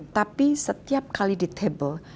tapi setiap kali di table